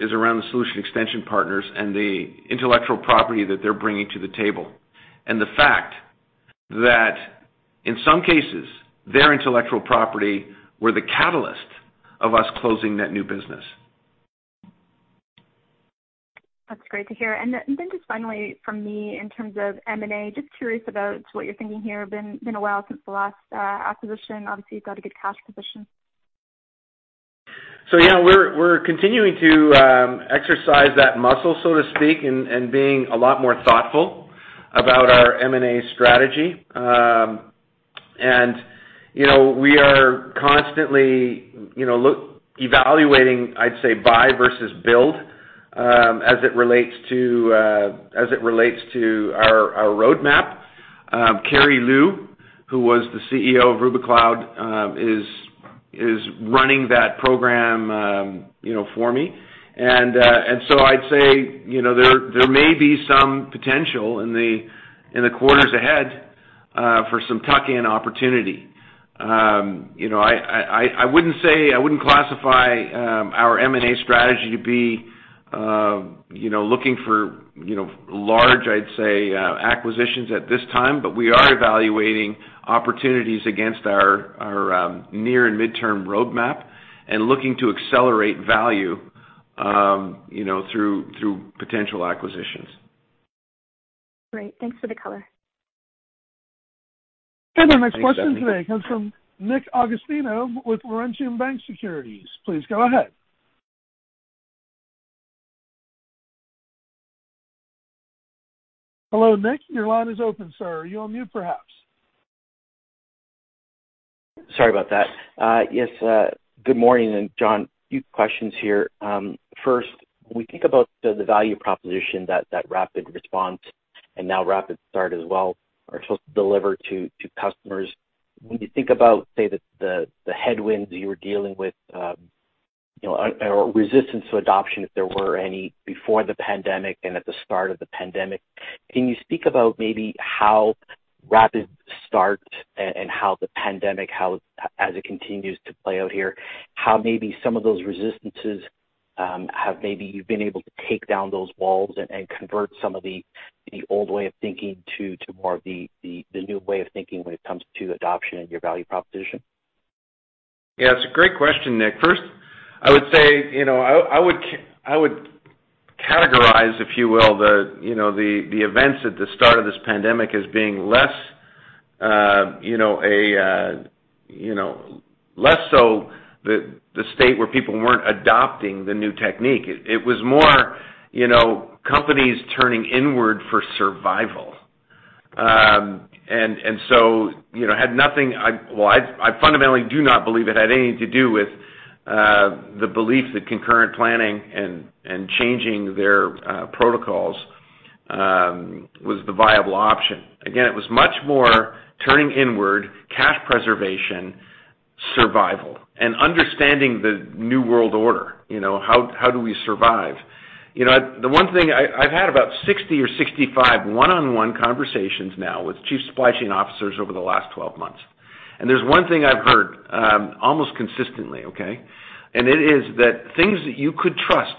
is around the solution extension partners and the intellectual property that they're bringing to the table. The fact that in some cases, their intellectual property were the catalyst of us closing that new business. That's great to hear. Just finally from me in terms of M&A, just curious about what you're thinking here. Been a while since the last acquisition. Obviously, you've got a good cash position. Yeah, we're continuing to exercise that muscle, so to speak, and being a lot more thoughtful about our M&A strategy. We are constantly evaluating, I'd say, buy versus build, as it relates to our roadmap. Kerry Liu, who was the CEO of Rubikloud, is running that program for me. I'd say, there may be some potential in the quarters ahead for some tuck-in opportunity. I wouldn't classify our M&A strategy to be looking for large, I'd say, acquisitions at this time, but we are evaluating opportunities against our near- and midterm roadmap and looking to accelerate value through potential acquisitions. Great. Thanks for the color. Our next question today comes from Nick Agostino with Laurentian Bank Securities. Please go ahead. Hello, Nick. Your line is open, sir. Are you on mute perhaps? Sorry about that. Yes, good morning. John, a few questions here. First, when we think about the value proposition that RapidResponse and now RapidStart as well are supposed to deliver to customers, when you think about, say, the headwinds you were dealing with, or resistance to adoption, if there were any before the pandemic and at the start of the pandemic, can you speak about maybe how RapidStart and how the pandemic, as it continues to play out here, how maybe some of those resistances have maybe you've been able to take down those walls and convert some of the old way of thinking to more of the new way of thinking when it comes to adoption and your value proposition? Yeah, it's a great question, Nick. First, I would say, I would categorize, if you will, the events at the start of this pandemic as being less so the state where people weren't adopting the new technique. It was more companies turning inward for survival. It had nothing Well, I fundamentally do not believe it had anything to do with the belief that concurrent planning and changing their protocols was the viable option. Again, it was much more turning inward, cash preservation, survival, and understanding the new world order. How do we survive? The one thing, I've had about 60 or 65 one-on-one conversations now with chief supply chain officers over the last 12 months, and there's one thing I've heard, almost consistently. It is that things that you could trust,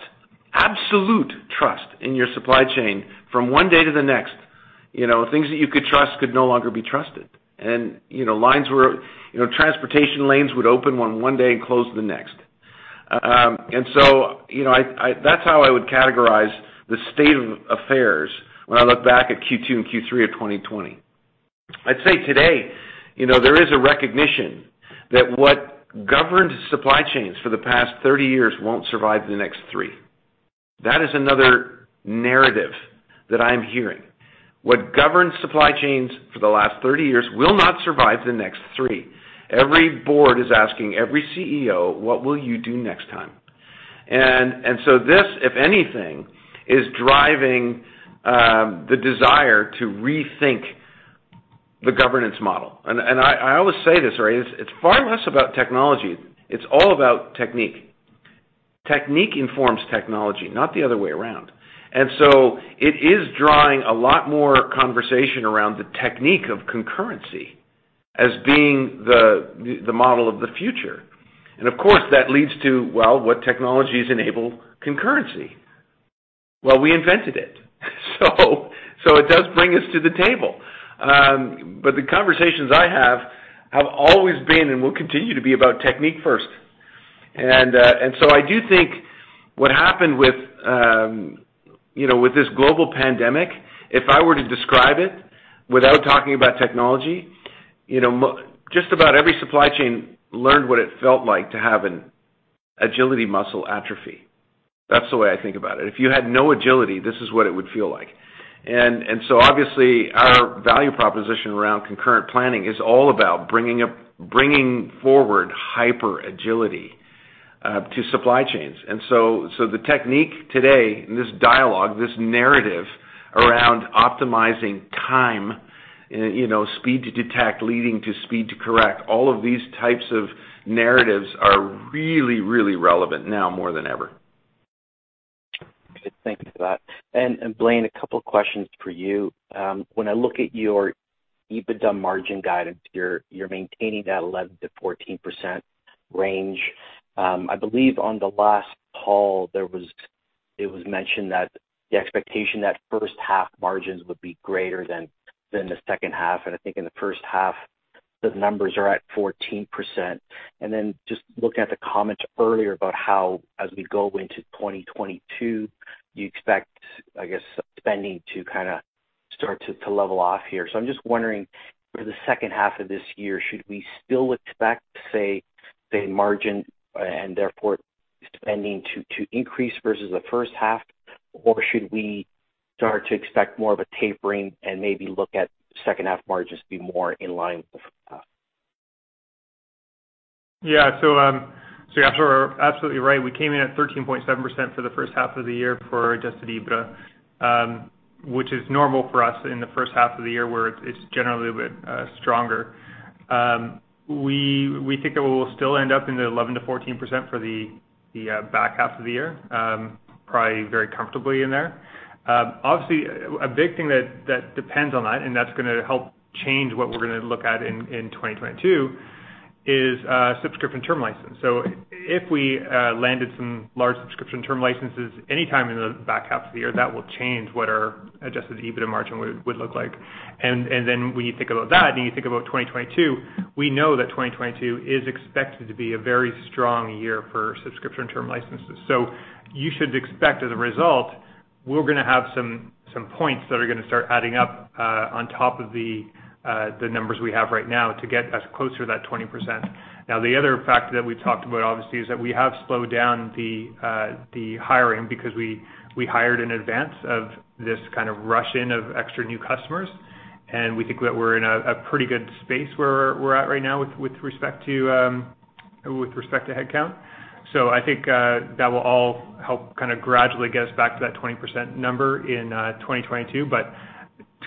absolute trust in your supply chain from one day to the next, things that you could trust could no longer be trusted. Transportation lanes would open on one day and close the next. That's how I would categorize the state of affairs when I look back at Q2 and Q3 of 2020. I'd say today, there is a recognition that what governed supply chains for the past 30 years won't survive the next three. That is another narrative that I am hearing. What governed supply chains for the last 30 years will not survive the next three. Every board is asking every CEO, "What will you do next time?" This, if anything, is driving the desire to rethink the governance model. I always say this, right, it's far less about technology. It's all about technique. Technique informs technology, not the other way around. It is drawing a lot more conversation around the technique of concurrency as being the model of the future. That leads to what technologies enable concurrency? We invented it. It does bring us to the table. The conversations I have always been and will continue to be about technique first. I do think what happened with this global pandemic, if I were to describe it without talking about technology, just about every supply chain learned what it felt like to have an agility muscle atrophy. That's the way I think about it. If you had no agility, this is what it would feel like. Obviously, our value proposition around concurrent planning is all about bringing forward hyper-agility to supply chains. The technique today and this dialogue, this narrative around optimizing time, speed to detect, leading to speed to correct, all of these types of narratives are really, really relevant now more than ever. Good. Thank you for that. Blaine, a couple questions for you. When I look at your EBITDA margin guidance, you're maintaining that 11%-14% range. I believe on the last call, it was mentioned that the expectation that first half margins would be greater than the second half, and I think in the first half, the numbers are at 14%. Just looking at the comments earlier about how, as we go into 2022, you expect, I guess, spending to kind of start to level off here. I'm just wondering, for the second half of this year, should we still expect, say, margin, and therefore spending to increase versus the first half? Should we start to expect more of a tapering and maybe look at second half margins be more in line with the first half? You're absolutely right. We came in at 13.7% for the first half of the year for Adjusted EBITDA, which is normal for us in the first half of the year, where it's generally a little bit stronger. We think that we'll still end up in the 11%-14% for the back half of the year, probably very comfortably in there. A big thing that depends on that, and that's gonna help change what we're gonna look at in 2022, is subscription term license. If we landed some large subscription term licenses anytime in the back half of the year, that will change what our Adjusted EBITDA margin would look like. When you think about that and you think about 2022, we know that 2022 is expected to be a very strong year for subscription term licenses. You should expect, as a result, we're gonna have some points that are gonna start adding up, on top of the numbers we have right now to get us closer to that 20%. The other factor that we've talked about obviously, is that we have slowed down the hiring because we hired in advance of this kind of rush in of extra new customers, and we think that we're in a pretty good space where we're at right now with respect to headcount. I think that will all help kind of gradually get us back to that 20% number in 2022. To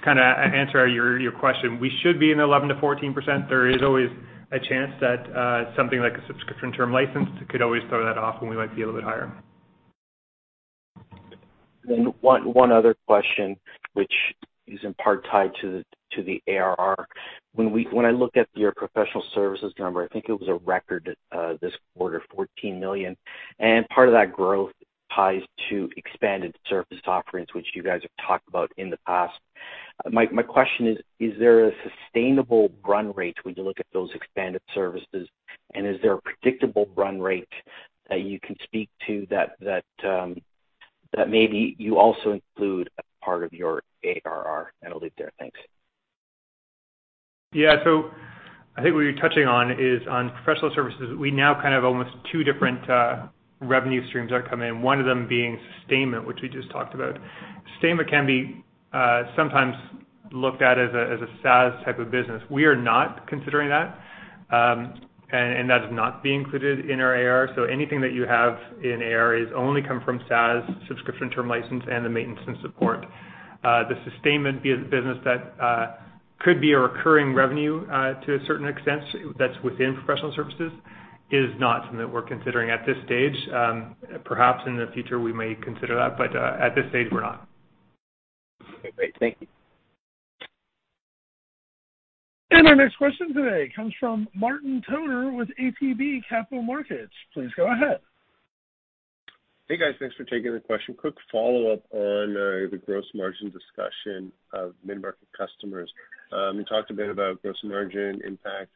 kind of answer your question, we should be in the 11%-14%. There is always a chance that something like a subscription term license could always throw that off, and we might be a little bit higher. One other question, which is in part tied to the ARR. When I look at your professional services number, I think it was a record this quarter, $14 million, and part of that growth ties to expanded service offerings, which you guys have talked about in the past. My question is: Is there a sustainable run rate when you look at those expanded services, and is there a predictable run rate that you can speak to that maybe you also include as part of your ARR? I'll leave it there. Thanks. I think what you're touching on is on professional services. We now kind of almost two different revenue streams that come in. One of them being sustainment, which we just talked about. Sustainment can be sometimes looked at as a SaaS type of business. We are not considering that, and that is not being included in our ARR. Anything that you have in ARR is only come from SaaS subscription term license and the maintenance and support. The sustainment business that could be a recurring revenue to a certain extent that's within professional services is not something that we're considering at this stage. Perhaps in the future, we may consider that, but at this stage, we're not. Okay, great. Thank you. Our next question today comes from Martin Toner with ATB Capital Markets. Please go ahead. Hey, guys. Thanks for taking the question. Quick follow-up on the gross margin discussion of mid-market customers. You talked a bit about gross margin impact.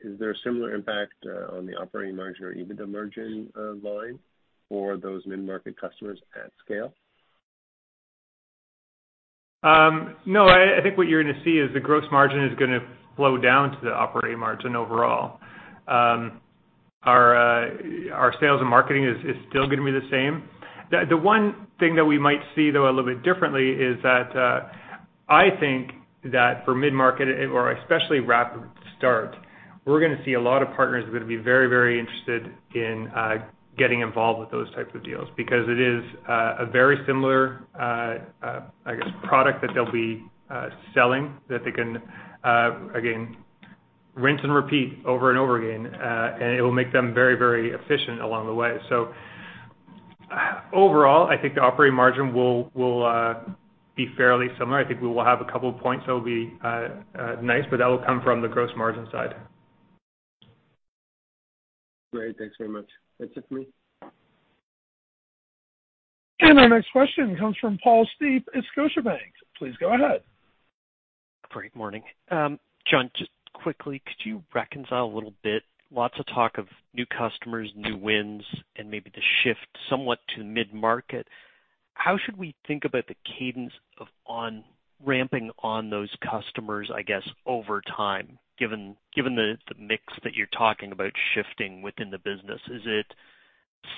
Is there a similar impact on the operating margin or EBITDA margin line for those mid-market customers at scale? No, I think what you're going to see is the gross margin is going to flow down to the operating margin overall. Our sales and marketing is still going to be the same. The one thing that we might see, though, a little bit differently is that, I think that for mid-market or especially RapidStart, we're going to see a lot of partners are going to be very interested in getting involved with those types of deals because it is a very similar, I guess, product that they'll be selling that they can, again, rinse and repeat over and over again, and it will make them very efficient along the way. Overall, I think the operating margin will be fairly similar. I think we will have a couple points that will be nice, but that will come from the gross margin side. Great. Thanks very much. That's it for me. Our next question comes from Paul Steep at Scotiabank. Please go ahead. Great morning. John, just quickly, could you reconcile a little bit, lots of talk of new customers, new wins, and maybe the shift somewhat to mid-market. How should we think about the cadence of on ramping on those customers, I guess, over time, given the mix that you're talking about shifting within the business? Is it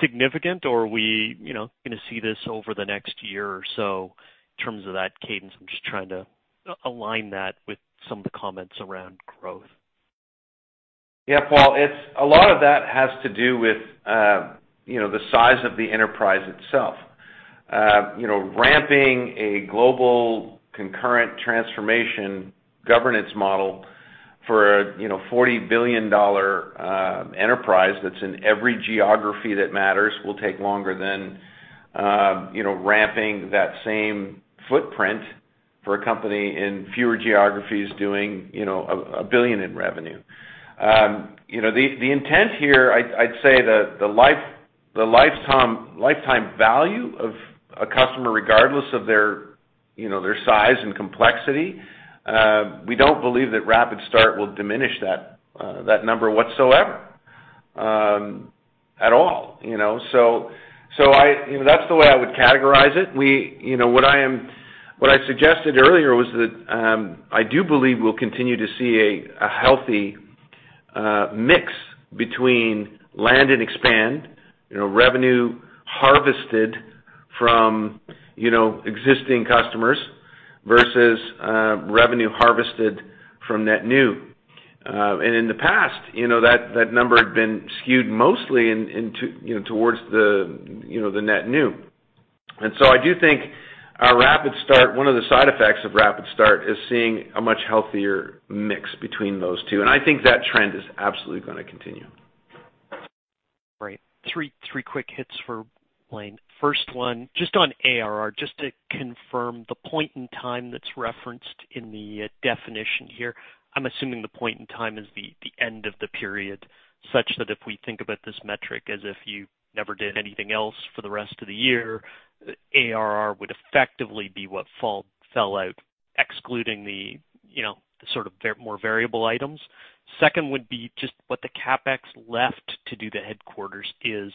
significant or are we going to see this over the next year or so in terms of that cadence? I'm just trying to align that with some of the comments around growth. Yeah, Paul, a lot of that has to do with the size of the enterprise itself. Ramping a global concurrent transformation governance model for a $40 billion enterprise that's in every geography that matters will take longer than ramping that same footprint for a company in fewer geographies doing a billion in revenue. The intent here, I'd say that the lifetime value of a customer, regardless of their size and complexity, we don't believe that RapidStart will diminish that number whatsoever, at all. That's the way I would categorize it. In the past, that number had been skewed mostly towards the net new. I do think one of the side effects of RapidStart is seeing a much healthier mix between those two, and I think that trend is absolutely going to continue. Great. Three quick hits for Blaine. First one, just on ARR, just to confirm the point in time that's referenced in the definition here. I'm assuming the point in time is the end of the period, such that if we think about this metric as if you never did anything else for the rest of the year, ARR would effectively be what fell out, excluding the sort of more variable items. Second would be just what the CapEx left to do the headquarters is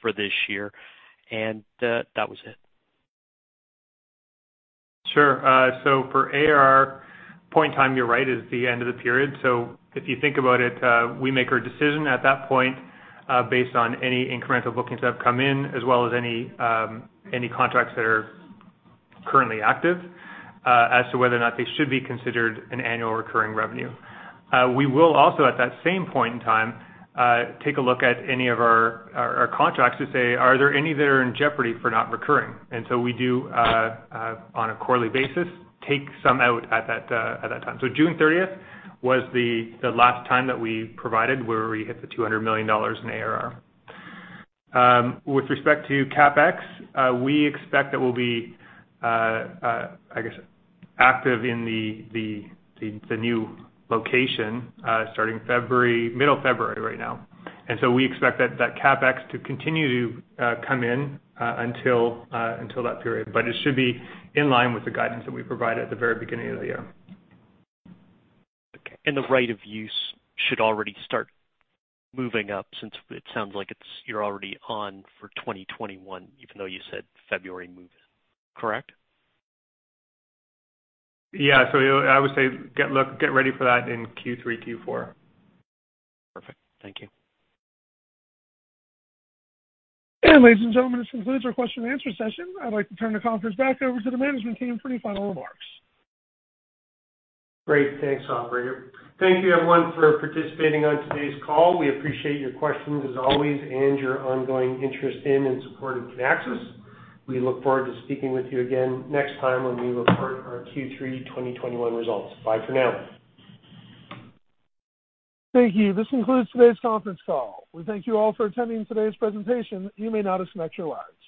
for this year. That was it. Sure. For ARR point in time, you're right, is the end of the period. If you think about it, we make our decision at that point, based on any incremental bookings that have come in, as well as any contracts that are currently active, as to whether or not they should be considered an annual recurring revenue. We will also, at that same point in time, take a look at any of our contracts to say, are there any that are in jeopardy for not recurring? We do, on a quarterly basis, take some out at that time. June 30th was the last time that we provided where we hit the $200 million in ARR. With respect to CapEx, we expect that we'll be, I guess, active in the new location, starting middle February right now. We expect that CapEx to continue to come in until that period. It should be in line with the guidance that we provided at the very beginning of the year. Okay. The right-of-use should already start moving up since it sounds like you are already on for 2021, even though you said February move-in, correct? Yeah. I would say, get ready for that in Q3, Q4. Perfect. Thank you. Ladies and gentlemen, this concludes our question and answer session. I'd like to turn the conference back over to the management team for any final remarks. Great. Thanks, operator. Thank you everyone for participating on today's call. We appreciate your questions as always and your ongoing interest in and support of Kinaxis. We look forward to speaking with you again next time when we report our Q3 2021 results. Bye for now. Thank you. This concludes today's conference call. We thank you all for attending today's presentation. You may now disconnect your lines.